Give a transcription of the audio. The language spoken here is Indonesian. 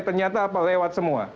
ternyata lewat semua